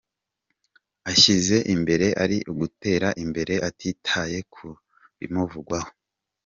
ashyize imbere ari ugutera imbere atitaye ku bimuvugwaho.